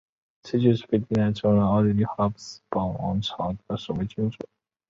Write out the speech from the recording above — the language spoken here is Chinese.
此举使费迪南成为了奥地利哈布斯堡皇朝的首位君主。